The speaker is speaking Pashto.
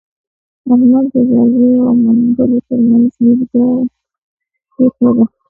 احمد د ځاځيو او منلګو تر منځ تيږه کېښوده.